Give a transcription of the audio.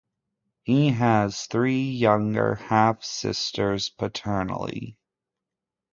He has three younger half-sisters paternally.